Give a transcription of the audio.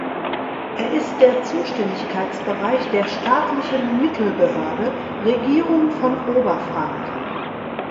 Er ist der Zuständigkeitsbereich der staatlichen Mittelbehörde "Regierung von Oberfranken".